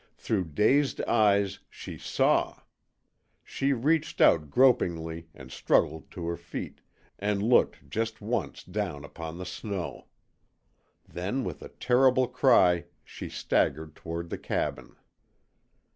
Through dazed eyes she SAW! She reached out gropingly and struggled to her feet, and looked just once down upon the snow. Then, with a terrible cry, she staggered toward the cabin.